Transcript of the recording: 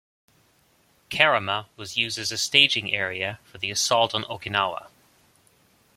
Kerama was used as a staging area for the assault on Okinawa.